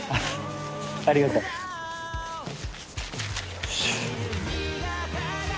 よし。